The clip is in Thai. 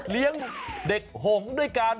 เลี้ยงเด็กหงด้วยกัน